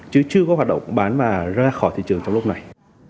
chứ chưa có hoạt động bán mà ra khỏi thị trường trong lúc này